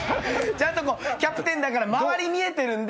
ちゃんとキャプテンだから周り見えてるんで。